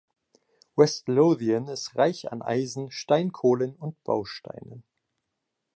West Lothian ist reich an Eisen, Steinkohlen und Bausteinen.